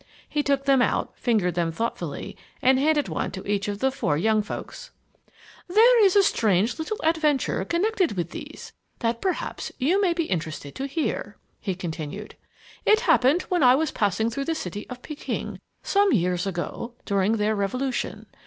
He took them out, fingered them thoughtfully, and handed one to each of the four young folks. "There is a strange little adventure connected with these that perhaps you may be interested to hear," he continued. "It happened when I was passing through the city of Peking, some years ago, during their revolution.